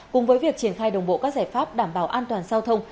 cùng với việc triển khai đồng bộ các giải pháp đảm bảo an toàn giao thông